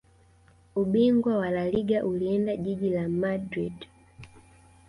Ubingwa wa laliga ulienda jiji la madrid